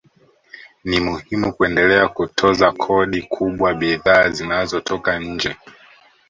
Ni muhimu kuendelea kutoza kodi kubwa bidhaa zinazotoka nje